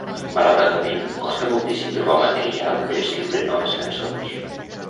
Malauradament, costa moltíssim trobar material per escriure noves cançons.